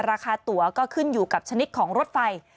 ตั๋วก็ขึ้นอยู่กับชนิดของรถไฟ